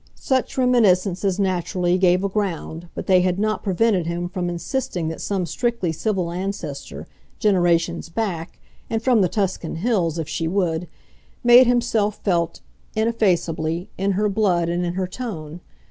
Such reminiscences, naturally, gave a ground, but they had not prevented him from insisting that some strictly civil ancestor generations back, and from the Tuscan hills if she would made himself felt, ineffaceably, in her blood and in her tone.